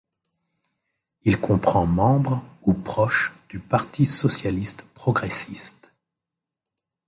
Il comprend membres ou proches du Parti socialiste progressiste.